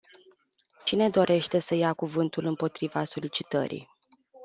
Cine dorește să ia cuvântul împotriva solicitării?